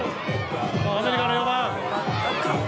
アメリカの４番。